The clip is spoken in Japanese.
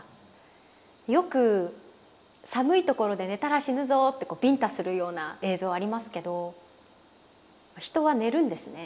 よく寒い所で寝たら死ぬぞってビンタするような映像ありますけど人は寝るんですね。